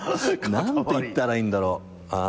何て言ったらいいんだろう。